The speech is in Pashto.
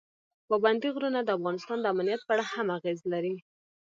پابندی غرونه د افغانستان د امنیت په اړه هم اغېز لري.